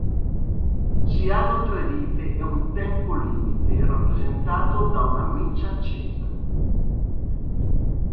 Si hanno tre vite e un tempo limite rappresentato da una miccia accesa.